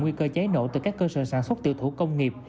nguy cơ cháy nổ từ các cơ sở sản xuất tiểu thủ công nghiệp